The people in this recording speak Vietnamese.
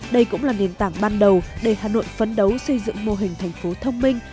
đây cũng là nền tảng ban đầu để hà nội phấn đấu xây dựng mô hình thành phố thông minh